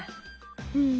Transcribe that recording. うん。